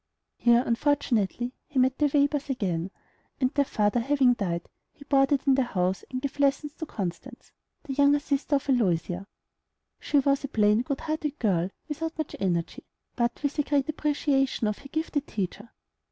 Here, unfortunately, he met the Webers again, and, their father having died, he boarded in their house, and gave lessons to Constance, a younger sister of Aloysia. She was a plain, good hearted girl, without much energy, but with a great appreciation of her gifted teacher.